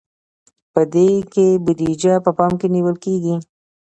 په دې کې بودیجه په پام کې نیول کیږي.